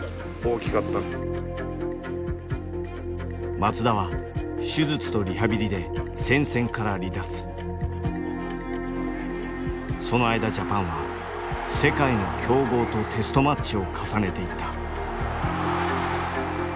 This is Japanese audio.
松田は手術とリハビリでその間ジャパンは世界の強豪とテストマッチを重ねていった。